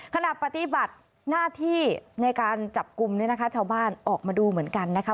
ขณะปฏิบัติหน้าที่ในการจับกลุ่มเนี่ยนะคะชาวบ้านออกมาดูเหมือนกันนะคะ